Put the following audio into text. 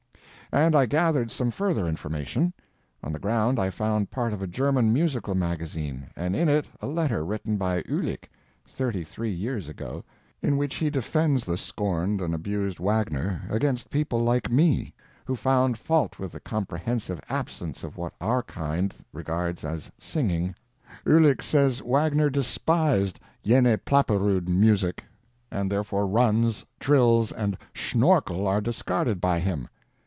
And I gathered some further information. On the ground I found part of a German musical magazine, and in it a letter written by Uhlic thirty three years ago, in which he defends the scorned and abused Wagner against people like me, who found fault with the comprehensive absence of what our kind regards as singing. Uhlic says Wagner despised "jene plapperude music," and therefore "runs, trills, and _Schnorkel _are discarded by him."